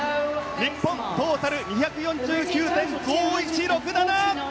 日本トータル２４９．５１６７！